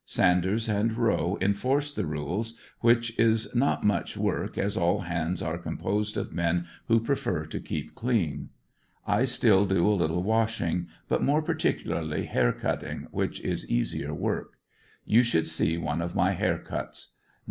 Sanders and Rowe enforce the rules, which is not much work, as all hands are composed of men who prefer to keep clean. I still do a little washing, but more particularly hair cutting, which is easier v\ ork. You should sec one of my hair cuts.